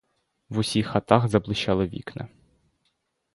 В усіх хатах заблищали вікна.